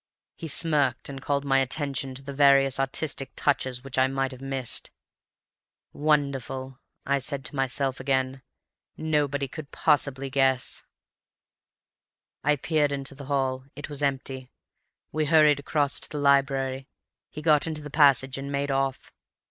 "He smirked, and called my attention to the various artistic touches which I might have missed. "'Wonderful,' I said to myself again. 'Nobody could possibly guess.' "I peered into the hall. It was empty. We hurried across to the library; he got into the passage and made off.